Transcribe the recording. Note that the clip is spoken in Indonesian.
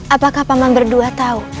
apakah paman berdua tahu